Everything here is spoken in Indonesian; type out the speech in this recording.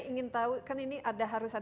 einegep optimistiknya bukan salah